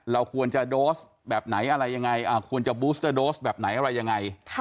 เราควรจะโดสแบบไหนอะไรยังไงควรจะบูสเตอร์โดสแบบไหนอะไรยังไง